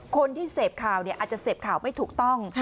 คนที่เสพข่าวอาจจะเสพข่าวไม่ถูกต้อง